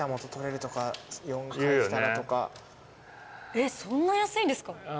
えっそんな安いんですか？